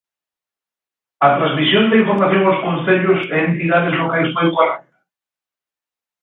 ¿A transmisión da información aos concellos e entidades locais foi correcta?